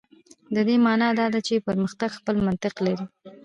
د دې معنا دا ده چې پرمختګ خپل منطق لري.